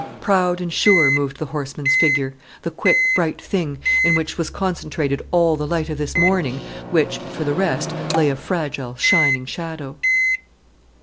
Proud and sure moved the horseman's figure, the quick, bright thing, in which was concentrated all the light of this morning, which for the rest lay a fragile, shining shadow.